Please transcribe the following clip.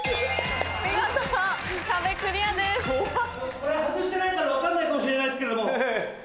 これ外してないから分かんないかもしれないけど。